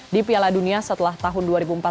di piala dunia setelah tahun dua ribu empat belas